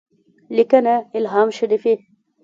-لیکنه: الهام شریفي